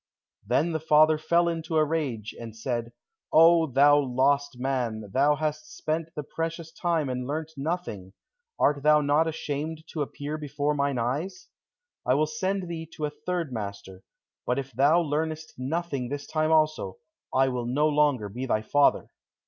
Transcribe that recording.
Then the father fell into a rage and said, "Oh, thou lost man, thou hast spent the precious time and learnt nothing; art thou not ashamed to appear before mine eyes? I will send thee to a third master, but if thou learnest nothing this time also, I will no longer be thy father."